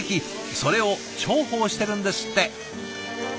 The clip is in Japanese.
それを重宝してるんですって。